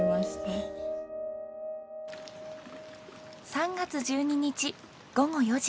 ３月１２日午後４時。